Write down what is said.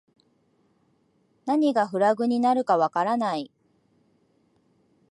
何がフラグになるかわからない